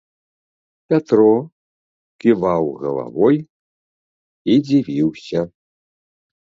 Пятро ківаў галавой і дзівіўся.